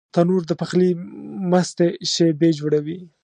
تنور د پخلي مستې شېبې جوړوي